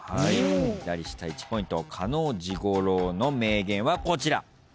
左下１ポイント嘉納治五郎の名言はこちら。